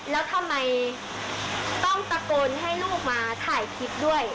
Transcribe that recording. แล้วทำไมต้องตะโกนให้ลูกมาถ่ายคลิปด้วย